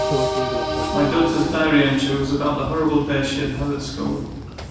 My daughter's diary entry was about the horrible day she had had at school.